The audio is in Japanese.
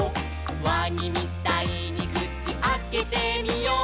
「わにみたいにくちあけてみよう」